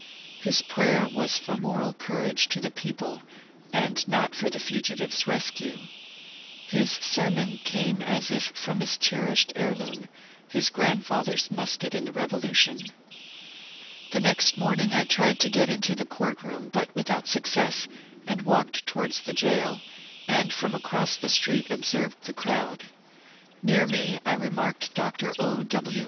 His prayer was for moral cour age to the people and not for the fugitive's rescue. His ser mon came as if from his cherished heirloom, his grandfather's musket in the Revolution. The next morning I tried to get into the court room, but without success, and walked towards the jail, and from across the street observed the crowd. Near me I remarked Dr. O. W.